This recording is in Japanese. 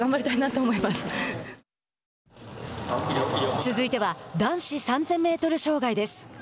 続いては男子３０００メートル障害です。